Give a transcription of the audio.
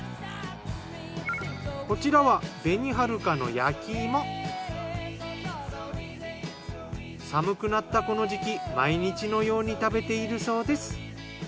こちらは寒くなったこの時期毎日のように食べているそうです。